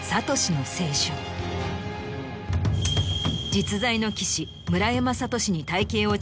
実在の棋士村山聖に。